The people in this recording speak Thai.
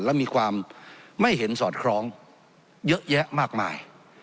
และมีความไม่เห็นสอดคล้องเยอะแยะมากมาย